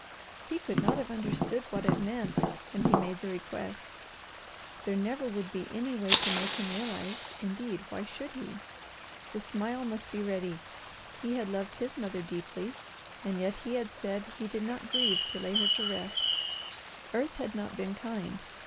He could not have understood what it meant when he made the request. There never would be any way to make him realize; indeed, why should he? The smile must be ready. He had loved his mother deeply, and yet he had said he did not grieve to lay her to rest. Earth had not been kind.